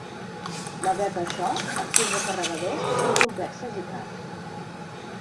Malgrat això, els turbo-carregadors són complexes i cars.